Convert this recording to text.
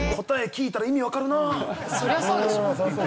そりゃそうでしょ。